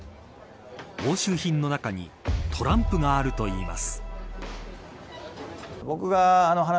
押収品の中にトランプがあるといいます。